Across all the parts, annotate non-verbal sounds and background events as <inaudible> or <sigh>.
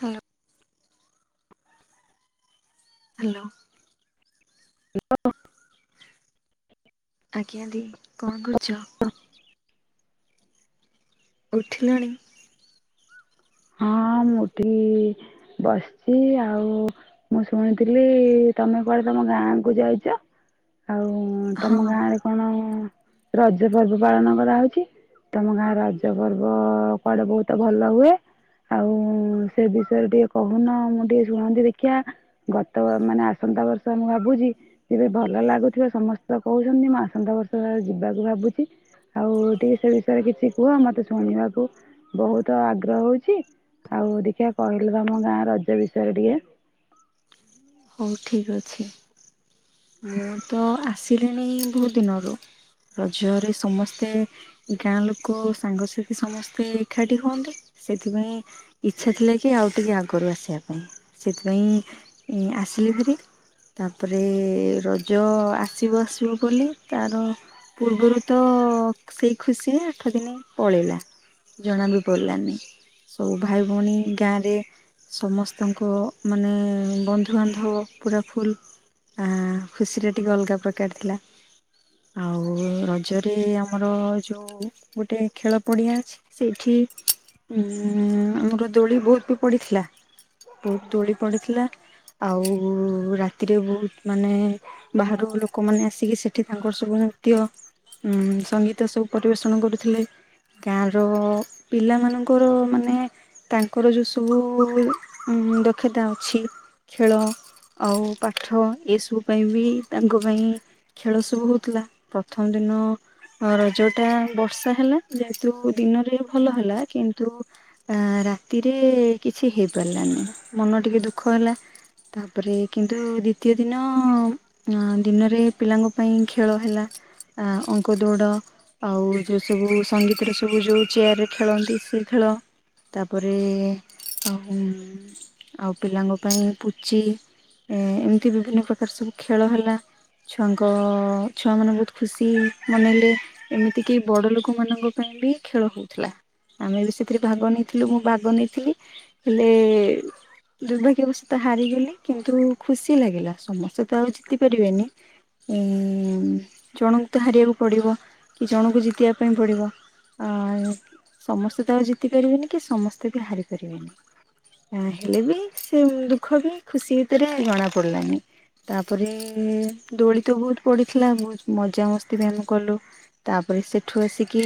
Hello hello ହ ଆଜ୍ଞା ଦି କଣ କରୁଛ? ହଁ ଉଠିଲଣି ହଁ ମୁଁ ଉଠିକି ବସିଛି ଆଉ। ମୁଁ ଶୁଣିଥିଲି ତମେ କୁଆଡେ ତମ ଗାଁ କୁ ଯାଇଛ? ଆଉ ହଁ ତମ ଗାଁରେ କଣ ରଜ ପର୍ବ ପାଳନ କରାହଉଛି। ତମ ଗାଁର ରଜ ପର୍ବ କୁଆଡ଼େ ବହୁତ ଭଲ ହୁଏ। ଆଉ ସେ ବିଷୟରେ ଟିକେ କହୁନ ମୁଁ ଟିକେ ଶୁଣନ୍ତି ଦେଖିିବା। ଗତ ମାନେ ଆସନ୍ତା ବର୍ଷ ମୁଁ ଭାବୁଛି। ତେବେ ଭଲ ଲାଗୁଥିବା ସମସ୍ତେ ତ କହୁଛନ୍ତି ମୁଁ ଆସନ୍ତା ବର୍ଷ ଯିବାକୁ ଭାବୁଛି। ଆଉ ଟିକେ ସେ ବିଷୟରେ କିଛି କୁହ ମତେ ଶୁଣିବାକୁ ବହୁତ ଆଗ୍ରହ ହଉଛି। ଅଛି ଆଉ ଦେଖିିବା କହିଲେ ତ ଆମ ଗାଁ ରଜ ବିଷୟରେ ଟିକେ ହଉ ଠିକ୍ ଅଛି। ମୁଁ ତ ଆସିଲିଣି ବହୁତ ଦିନରୁ ରଜରେ ସମସ୍ତେ ଗାଁ ଲୋକ ସାଙ୍ଗସାଥି ସମସ୍ତେ ଏକାଠି ହୁଅନ୍ତି ସେଥିପାଇଁ ଇଚ୍ଛା ଥିଲା କି ଆଉ ଟିକେ ଆଗରୁ ଆସିବା ପାଇଁ ସେଥିପାଇଁ ଆସିଲି ହେରି। ତାପରେ ରଜ ଆସିବୁ ଆସିବୁ ବୋଲି ତାର ପୂର୍ବରୁ ତ ସେଇ ଖୁସିରେ ଆଠ ଦିନ ପଳେଇଲା। ଜଣା ବି ପଡିଲାନି ସବୁ ଭାଇ ଭଉଣୀ ଗାଁ ରେ ସମସ୍ତଙ୍କ ମାନେ ବନ୍ଧୁବାନ୍ଧବ ପୁରା ଫୁଲ୍। ଆ ଖୁସିରେ ଟିକେ ଅଲଗା ପ୍ରକାର ଥିଲା। ଆଉ ରଜରେ ଆମର ଯେଉଁ ଗୋଟେ ଖେଳ ପଡ଼ିଆ ଅଛି। ସେଇଠି ଉ ଆମର ଦୋଳି ବହୁତ ବି ପଡିଥିଲା। ବହୁତ ତୋଳି ପଡ଼ିଥିଲା ଆଉ ରାତିରେ ବହୁତ ମାନେ ବାହାରୁ ଲୋକମାନେ ଆସିକି ସେଠି ତାଙ୍କର ସବୁ ନୃତ୍ୟ- - ହୁଁ ସଙ୍ଗୀତ ସବୁ ପରିବେଷଣ କରୁଥିଲେ। ଗାଁର ପିଲାମାନଙ୍କର ମାନେ ତାଙ୍କର ଯେଉଁ ସବୁ ଦକ୍ଷତା ଅଛି। ଖେଳ ଆଉ ପାଠ ଏସବୁ ପାଇଁ ବି ତାଙ୍କ ପାଇଁ- - ଖେଳ ସବୁ ହଉଥିଲା ପ୍ରଥମ ଦିନ - - ରଜ ଟା ବର୍ଷା ହେଲା ଯେହେତୁ ଦିନରେ ଭଲ ହେଲା କିନ୍ତୁ ଆ ରାତିରେ କିଛି ହେଇପାରିଲାନି ମନ ଟିକେ ଦୁଃଖ ହେଲା। ତାପରେ କିନ୍ତୁ ଦି ତୀୟ ଦିନ ଦିନରେ ପିଲାଙ୍କ ପାଇଁ ଖେଳ ହେଲା। ଆଁ ଉଙ୍କୁ ଦୌଡ଼ - - ଆଉ ଯୋଉ ସବୁ ସଙ୍ଗୀତରେ ସବୁ ଯୋଉ ଚେୟାର ରେ ଖେଳନ୍ତି ସି ଖେଳ- - ତାପରେ ଆ- - ଆଉ ପିଲାଙ୍କ ପାଇଁ ପୁଚି ଏମିତି ବିଭିନ୍ନ ପ୍ରକାର ସବୁ ଖେଳ ହେଲା। ଛୁଆଙ୍କ ଛୁଆମାନେ ବହୁତ ଖୁସି ମନେଇଲେ। ଏମିତି କେ ବଡ ଲୋକ ମାନଙ୍କ ପାଇଁ ବି ଖେଳ ହଉଥିଲା। ଆମେ ବି ସେଥିରେ ଭାଗ ନେଇଥିଲୁ ମୁଁ ଭାଗ ନେଇଥିଲି ହେଲେ ଦୁର୍ଭାଗ୍ୟବଶତ ହାରିଗଲି କିନ୍ତୁ ଖୁସି ଲାଗିଲା ସମସ୍ତେ ତ ଆଉ ଜିତି ପାରିବେନି - - ଜଣଙ୍କୁ ତ ହାରିବାକୁ ପଡ଼ିବ କି ଜଣଙ୍କୁ ଜିତିବା ପାଇଁ ପଡ଼ିବ। ଅ ସମସ୍ତେ ତ ଜିତି ପାରିବେନି କି ସମସ୍ତେ ବି ହାରିପାରିବେନି। ଆ ହେଲେ ବି ସେ ଦୁଃଖ ବି ଖୁସି ଭିତରେ ଜଣା ପଡିଲାନି। ତାପରେ ଦୋଳି ତ ବହୁତ ପଡିଥିଲା ବହୁତ ମଜାମସ୍ତି ବୟାମ କଲୁ। ତାପରେ ସେଠୁ ଆସିକି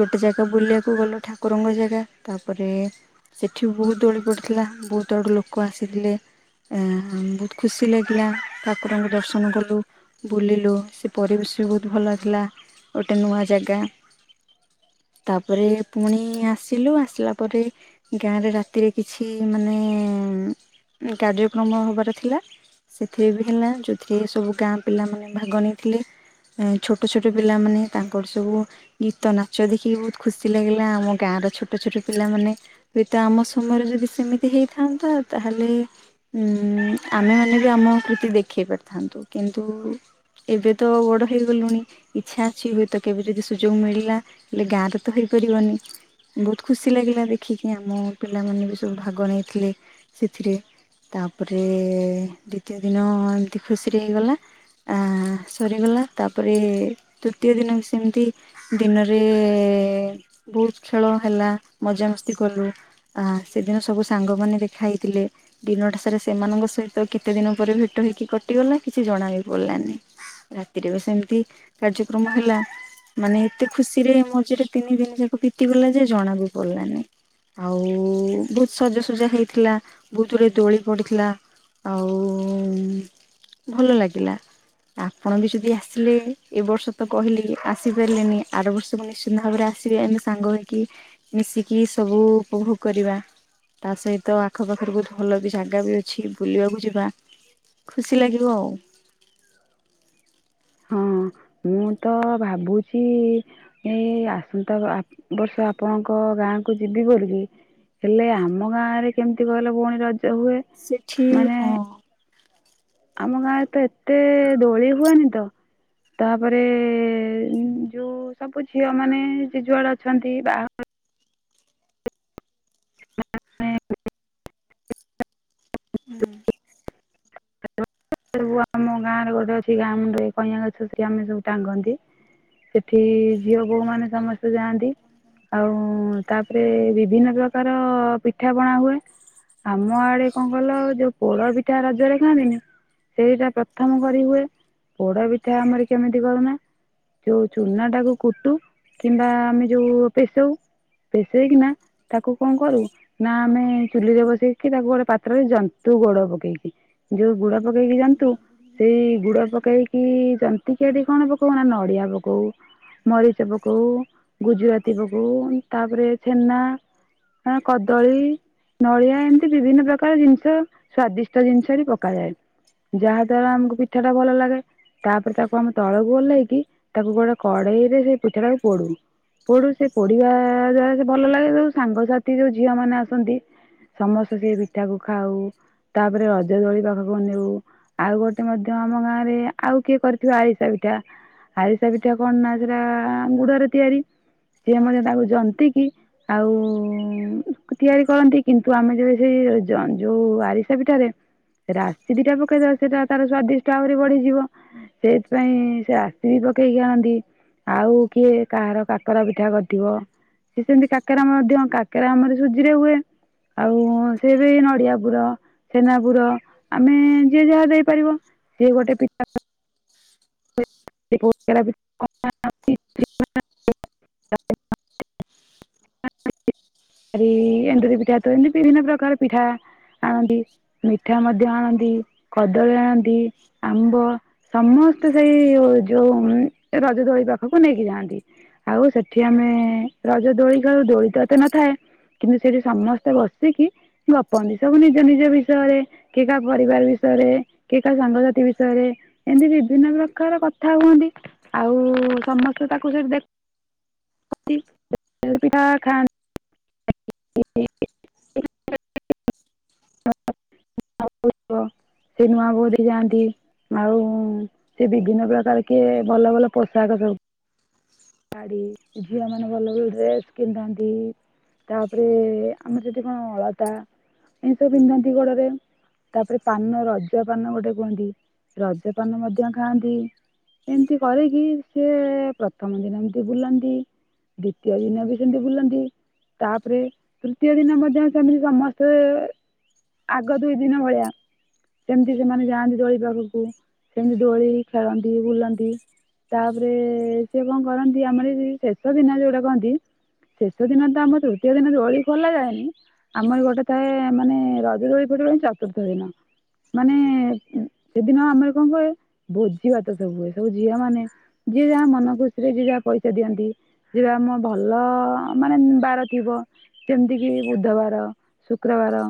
ଗୋଟେ ଜାଗା ବୁଲିବାକୁ ଗଲୁ ଠାକୁରଙ୍କ ଜାଗା। ତାପରେ ସେଠି ବହୁତ ଦୋଳି ପଡ଼ିଥିଲା ବହୁତ ଆଡ଼ୁ ଲୋକ ଆସିଥିଲେ। ଆହାଁ ବହୁତ ଖୁସି ଲାଗିଲା ଠାକୁରଙ୍କୁ ଦର୍ଶନ କଲୁ। ବୁଲିଲୁ ସେ ପରିବେଶ ବି ବହୁତ ଭଲ ଥିଲା ଗୋଟେ ନୂଆ ଜାଗା। ତାପରେ ପୁଣି ଆସିଲୁ ଆସିଲା ପରେ- - ଗାଁ ରେ ରାତିରେ କିଛି ମାନେ କାର୍ଯ୍ୟ କ୍ରମ ହବାର ଥିଲା। ସେଥିରେ ବି ହେଲା ଯଉଥିରେ ସବୁ ଗାଁ ପିଲାମାନୋନ ଭାଗ ନେଇ ଥିଲେ ଛୋଟ ଛୋଟ ପିଲାମାନେ ତାଙ୍କର ସବୁ- - ଗୀତ ନାଚ ଦେଖିକି ବହୁତ ଖୁସି ଲାଗିଲା ଆମ ଗାଁ ର ଛୋଟ ଛୋଟ ପିଲାମାନେେ ହୁଏତ ଆମ ସମୟରେ ଯଦି ସେମିତି ହେଇଥାନ୍ତା ତାହେଲେ- - ଆମେମାନେ ବି ଆମ କୃତି ଦେଖେଇ ପାରିଥାନ୍ତୁ କିନ୍ତୁ - - ଏବେ ତ ବଡ଼ ହୋଇଗଲୁଣି- - ଇଛା ଅଛି ହୁଏତ କେବେ ଯଦି ସୁଯୋଗ ମିଳିଲା ହେଲେ ଗାଁରେ ତ ହେଇପାରିବନି? ବହୁତ ଖୁସି ଲାଗିଲା ଦେଖିକି ଆମ ପିଲାମାନେ ବି ସବୁ ଭାଗ ନେଇଥିଲେ ସେଥିରେ ତାପରେ ଦ୍ଵିତୀୟ ଦିନ ଏମିତି ଖୁସିରେ ହେଇଗଲା ଆ ସରିଗଲା ତାପରେ ତୃତୀୟ ଦିନ ସେମିତି- - ଦିନରେ ବହୁତ ଖେଳ ହେଲା ମଜା ମସ୍ତି କଲୁ- - ଆ ସେଦିନ ସବୁ ସାଙ୍ଗମାନେ ଦେଖାହଇଥିଲେ। ଦିନଟା ସାରା ସେମାନଙ୍କ ସହିତ କେତେ ଦିନ ପରେ ଭେଟ ହେଇକି କଟିଗଲା କିଛି ଜଣା ବି ପଡିଲାନି। ରାତିରେ ବି ସେମିତି କାର୍ଯ୍ୟକ୍ରମ ହେଲା- - ମାନେ ଏତେ ଖୁସିରେ ମଝିରେ ତିନି ଦିନ ଯାକ ଫିତିଗଲା ଯେ ଜଣା ବି ପଡିଲାନି। ଆଉ ବହୁତ ସଜସଜା ହେଇଥିଲା। ଋତୁରେ ଦୋଳି ପଡ଼ିଥିଲା। ଆଉ ଭଲ ଲାଗିଲା। ଆପଣ ବି ଯଦି ଆସିଲେ, ଏ ବର୍ଷ ତ କହିଲି ଆସିପାରିଲେନି, ଆର ବର୍ଷ ସବୁ ନିଶ୍ଚିନ୍ତ ଭାବରେ ଆସିବେ, ଆମେ ସାଙ୍ଗ ହେଇକି ମିଶିକି ସବୁ ଉପଭୋଗ କରିବା। ତା ସହିତ ଆଖପାଖରୁ କ ଭଲ ବି ଜାଗା ବି ଅଛି। ବୁଲିବାକୁ ଯିବା, ଖୁସି ଲାଗିବ ଆଉ। ହଁ ମୁଁ ତ ଭାବୁଛି ଏଇ ଆସନ୍ତା ବ-ଆ ବର୍ଷ ଆପଣଙ୍କ ଗାଁ କୁ ଯିବି ବୋଲିକି ହେଲେ ଆମ ଗାଁ ରେ କେମିତି କହିଲ ଭଉଣୀ ରଜ ହୁଏ? ସେଠି ମାନେ ହଁ। ଆମ ଗାଁରେ ତ ଏତେ ଦୋଳି ହୁଏନି ତ। ତାପରେ ଯୋଉ ସବୁ ଝିଅ ମାନେ ଯିଏଜୁଆଡେ ଅଛନ୍ତି, ବାହାଘର ହୁଁ। <unintelligible> ଆମ ଗାଁରେ ଗୋଟେ ଅଛି, ଗାଁମୁଁଣ୍ଡରେ କଇଁଆ ଗଛ, ସେଟି ଆମେ ସବୁ ଟାଙ୍ଗନ୍ତି। ସେଠି ଝିଅ ବୋଉ ମାନେ ସମସ୍ତେ ଯାଆନ୍ତି। ଆଉ ତାପରେ ବିଭିନ୍ନ ପ୍ରକାର ପିଠା ପଣା ହୁଏ। ଆମ ଆଡେ କଣ କହିଲ, ଯୋଉ ପୋଡ ପିଠା ରଜରେ ଖାଆନ୍ତିନି ସେଇଟା ପ୍ରଥମ କରି ହୁଏ। ପୋଡ ପିଠା ଆମର କେମିତି କରୁନା ଯୋଉ ଚୁନା ଟାକୁ କୁଟୁ, କିମ୍ବା ଆମେ ଯୋଉ ପେଶଉ ପେଶେଇ କିି ନା ତାକୁ କଣ କରୁ, ନା ଆମେ ଚୁଲିରେ ବସେଇକି ତାକୁ ଗୋଟେ ପାତ୍ରରେ ଜନ୍ତୁ ଗୋଡ ପକେଇକି। ଯୋଉ ଗୁଡ ପକେଇକି ଜନ୍ତୁ ସେଇ ଗୁଡ ପକେଇକି, ଯନ୍ତିିକିଆଠି କଣ ପକଉ ନା ନଡିଆ ପକଉ। ମରିଚ ପକାଉ, ଗୁଜୁରାତି ପକଉ, ତାପରେ ଛେନା। ହଁ କଦଳୀ। ନଡିଆ, ଏମିତି ବିଭିନ୍ନ ପ୍ରକାର ଜିନିଷ, ସ୍ଵାଦିଷ୍ଟ ଜିନିଷହିଁ ପକାଯାଏ। ଯାହା ଦ୍ଵାରା ଆମକୁ ପିଠା ଟା ଭଲ ଲାଗେ। ତାପରେ ତାକୁ ଆମ ତଳକୁ ଓହ୍ଲେଇକି, ତାକୁ ଗୋଟେ କଡେଇରେ ସେ ପିଠା ଟାକୁ ପୋଡୁ। ପଡୁ, ସେ ପଡିବା ଦ୍ଵାରା ସେ ଭଲ ଲାଗେ ଯୋଉ ସାଙ୍ଗସାଥି ଯୋଉ ଝିଅ ମାନେ ଆସନ୍ତି ସମସ୍ତେ ସେ ପିଠାକୁ ଖାଉ। ତାପରେ ରଜ ଦୋଳି ପାଖକୁ ନେ ଉ। ଆଉ ଗୋଟେ ମଧ୍ୟ, ଆମ ଗାଁରେ ଆଉ କିଏ କରିଥିଵେ ଆରିସା ପିଠା ଆରିସା ପିଠା କଣ ନା, ସେଟା ଗୁଡରେ ତିଆରି। ସିଏ ମଧ୍ୟ ତାକୁ ଜନ୍ତି କି ଆଉ ତିଆରି କରନ୍ତି, କିନ୍ତୁ ଆମେ ଯେବେ ସେଇ ଯ-ଯୋଉ ଆରିସା ପିଠାରେ ରାଶି ଦିଟା ପକେଇଦବା, ସେଟା ତାର ସ୍ଵାଦିଷ୍ଟା ଆହୁରି ବଢିଯିବ। ସେଇଥିପାଇଁ ସେ ରାଶି ବି ପକେଇକି ଆଣନ୍ତି। ଆଉ କିଏ କାହାର କାକରା ପିଠା କରିଥିବ। ସେ ସେମିତି କାକେରା ମଧ୍ୟ, କାକେରା ଆମର ସୁଜିରେ ହୁଏ। ଆଉ ସେ ବି ନଡିଆ ପୁର, ଛେନା ପୁର ଆମେ ଯିଏ ଯାହା ଦେଇପାରିବ। ସିଏ ଗୋଟେ ପି <inaudible> <inaudible> <inaudible> ଏଣ୍ଡୁରି ପିଠା, ତ ଏମତି ବିଭିନ୍ନ ପ୍ରକାର ପିଠା ଆଣନ୍ତି। ମିଠା ମଧ୍ୟ ଆଣନ୍ତି, କଦଳୀ ଆଣନ୍ତି, ଆମ୍ବ, ସମସ୍ତ ତ ସେଇ ଯୋଉ ରଜ ଦୋଳି ପାଖକୁ ନେଇକି ଯାଆନ୍ତି। ଆଉ ସେଠି ଆମେ ରଜ ଦୋଳି ଖେଳୁ, ଦୋଳି ତ ଏତେ ନଥାଏ କିନ୍ତୁ ସେଠି ସମସ୍ତେ ବସିକି ଗପନ୍ତି, ସବୁ ନିଜ ନିଜ ବିଷୟରେ କିଏ କାହା ପରିବାର ବିଷୟରେ, କିଏ କା ସାଙ୍ଗସାଥି ବିଷୟରେ ଏମିତି ବିଭିନ୍ନ ପ୍ରକାର କଥା ହୁଅନ୍ତି, ଆଉ ସମସ୍ତେ ତାକୁ ସେଠି ଦେଖ ନ୍ତି <unintelligible> ପିଠା ଖାଆନ୍ତି ଆଉ <unintelligible> ବୁଲି ଯାଆନ୍ତି ଆଉ ସେ ବିଭିନ୍ନ ପ୍ରକାର କିଏ ଭଲ ଭଲ ପୋଷାକ ସବୁ ନ୍ତି ଝିଅ ମାନେ ଭଲ ଭଲ ଡ୍ରେସ୍ ପିନ୍ଧନ୍ତି ତାପରେ ଆମର ସେଠି କଣ ଅଳତା, ଏମିତି ସବୁ ପିନ୍ଧନ୍ତି ଗୋଡରେ ତାପରେ ପାନ ରଜ ପାନ ଗୋଟେ କୁହନ୍ତି ରଜ ପାନ ମଧ୍ୟ ଖାଆନ୍ତି। ଏମିତି କରିକି ସେ ପ୍ରଥମ ଦିନ ଏମିତି ବୁଲନ୍ତି, ଦ୍ବିତୀୟ ଦିନ ବି ସେମିତି ବୁଲନ୍ତି। ତାପରେ ତୃତୀୟ ଦିନ ମଧ୍ୟ ସେମିତି ସମସ୍ତେ ଆଗ ଦୁଇ ଦିନ ଭଳିଆ ସେମିତି ସେମାନେ ଯାଆନ୍ତି ଦୋଳି ପାଖକୁ ସେମିତି ଦୋଳି ଖେଳନ୍ତି, ବୁଲନ୍ତି, ତାପରେ ସିଏ କଣ କରନ୍ତି ଆମର ଯେ ଶେଷ ଦିନ ଯୋଉଟା କହନ୍ତି ଶେଷ ଦିନ ତ ଆମ ତୃତୀୟ ଦିନ ଦୋଳି ଖୋଲା ଯାଏନି ଆମର ଗୋଟେ ଥାଏ ମାନେ ରଜ ଦୋଳି ଫିଟିବ ଯାଇ ଚତୁର୍ଥ ଦିନ। ମାନେ ସେଦିନ ଆମର କଣ କହେ ଭୋଜି ଭାତ ସବୁ ହୁଏ ସବୁ ଝିଅ ମାନେ ଯିଏ ଯାହା ମନ ଖୁସିରେ ଯିଏ ଯାହା ପଇସା ଦିଅନ୍ତି, ଯିଏ ଯାହା ଆମ ଭଲ ମାନେ ବାର ଥିବ ଯେମିତିକି ବୁଧବାର, ଶୁକ୍ରବାର,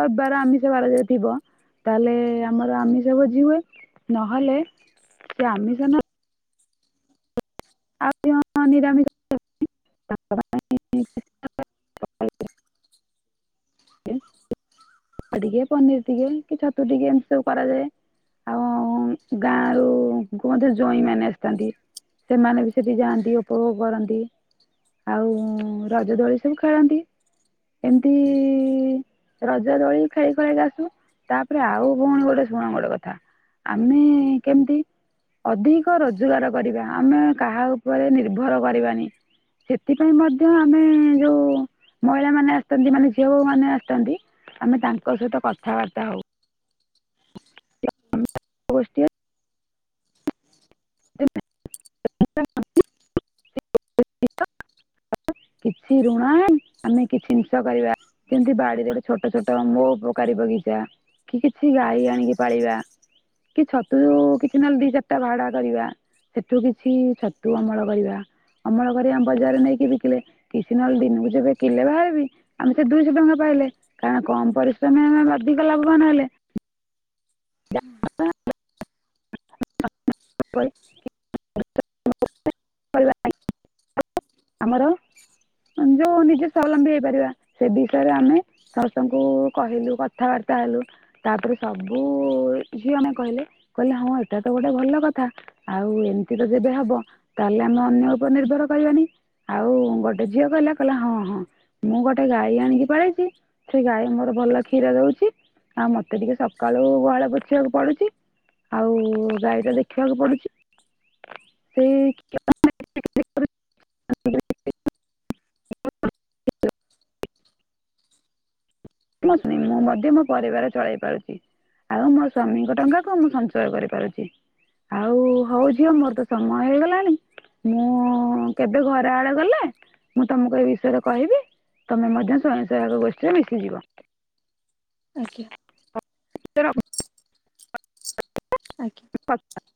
ରବିବାର ଆମିଷ ବାର ଯଦି ଥିବ ତାହେଲେ ଆମର ଆମିଷ ଭୋଜି ହୁଏ, ନହେଲେ ସେ ଆମିଷ ନ ଆଉ <inaudible> ନିରାମିଷ <unintelligible> <inaudible> ଏ ଟିକେ ପନିର ଟିକେ କି ଛତୁ ଟିକେ ଏମିତି ସବୁ କରାଯାଏ। ଆଉ ଗାଁରୁ କୁହନ୍ତି ଜ୍ୱାଇଁ ମାନେ ଆସିଥାନ୍ତି, ସେମାନେ ବି ସେଠି ଯାଆନ୍ତି ଉପଭୋଗ କରନ୍ତି। ଆଉ ରଜ ଦୋଳି ସବୁ ଖେଳନ୍ତି। ଏମିତି ରଜ ଦୋଳି ଖେଳି ଖୋଲା କି ଆସୁ ତାପରେ ଆଉ ଭଉଣୀ ଗୋଟେ ଶୁଣ ଗୋଟେ କଥା ଆମେ କେମିତି ଅଧିକ ରୋଜଗାର କରିବା ଆମେ କାହା ଉପରେ ନିର୍ଭର କରିବାନି। ସେଥିପାଇଁ ମଧ୍ୟ ଆମେ ଯେଉଁ ମହିଳାମାନେ ଆସିଥାନ୍ତି ମାନେ ଝିଅ ବୋହୂମାନେ ଆସିଥାନ୍ତି ଆମେ ତାଙ୍କ ସହିତ କଥାବାର୍ତ୍ତା ହଉ। ଗୋଷ୍ଠି <unintelligible> <inaudible> କିଛି ଋଣ ଆମେ କିଛି ଜିନିଷ କରିବା। କେମିତି ବାଡିରେ ଗୋଟେ ଛୋଟ ଛୋଟ ମୋ ଉପକାରୀ ବଗିଚା। କି କିଛି ଗାଈ ଆଣିକି ପାଳିବା କି ଛତୁ କିଛି ନହେଲେ ଦି ଚାରିଟା ଭାଡା କରିବା ସେଠୁ କିଛି ଛତୁ ଅମଳ କରିବା ଅମଳ କରି ଆମ ବଜାରରେ ନେଇକି ବିକିଲେ କିଛି ନହେଲେ ଦିନକୁ ଯେବେ କିିଲେ ବାହାରିବି ଆମେ ସେ ଦୁଇଶହ ଟଙ୍କା ପାଇଲେ କାରଣ କମ୍ ପରିଶ୍ରମରେ ଆମେ ଅଧିକ ଲାଭବାନ୍ ହେଲେ। ହଁ। <unintelligible> <unintelligible> ଆମର ଯୋଉ ନିଜେ ସ୍ଵଲମ୍ବୀ ହେଇପାରିବା ସେ ବିଷୟରେ ଆମେ ସମସ୍ତଙ୍କୁ କହିଲୁ କଥାବାର୍ତ୍ତା ହେଲୁ ତାପରେ ସବୁ ଝିଅମାନେ କହିଲେ କହିଲେ ହଁ ଏଇଟା ତ ଗୋଟେ ଭଲ କଥା। ଆଉ ଏମିତି ତ ଯେବେ ହବ ତାହେଲେ ଆମେ ଅନ୍ୟ ଉପରେ ନିର୍ଭର କରିବା ନି। ଆଉ ଗୋଟେ ଝିଅ କହିଲା କହିଲା ହଁ ହଁ ମୁଁ ଗୋଟେ ଗାଈ ଆଣିକି ପାଳିଛି। ସେ ଗାଈ ମୋର ଭଲ କ୍ଷୀର ଦଉଛି ଆଉ ମତେ ଟିକେ ସକା ଳୁ ଗୁହାଳ ପୋଛିବାକୁ ପଳଉଛି। ଆଉ ଗାଈଟା ଦେଖିବାକୁ ପଡୁଛି ସେଇ <inaudible> <unintelligible> ମୁଁ ମଧ୍ୟ ମୋ ପରିବାର ଚଳେଇ ପାରୁଛି। ଆଉ ମୋ ସ୍ଵାମୀଙ୍କ ଟଙ୍କା କୁ ମୁଁ ସଞ୍ଚୟ କରିପାରୁଛି। ଆଉ ହଉ ଝିଅ ମୋର ତ ସମୟ ହେଇଗଲାଣି ମୁଁ କେବେ ଘର ଆଡେ ଗଲେ ମୁଁ ତମକୁ ଏ ବିଷୟରେ କହିବି। ତମେ ମଧ୍ୟ ସ୍ଵୟଂ ସହାୟକ ଗୋଷ୍ଠୀରେ ମିଶିଯିବ। ଆଜ୍ଞା। <inaudible> ଆଜ୍ଞା। ପ <unintelligible>